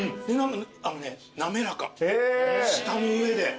あのね滑らか舌の上で。